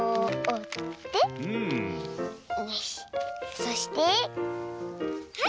そしてはい。